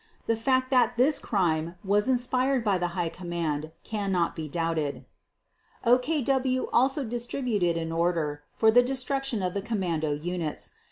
The fact that this crime was inspired by the High Command cannot be doubted. OKW also distributed an order for the destruction of the "commando" units.